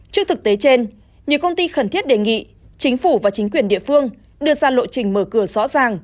trước thực tế trên nhiều công ty khẩn thiết đề nghị chính phủ và chính quyền địa phương đưa ra lộ trình mở cửa rõ ràng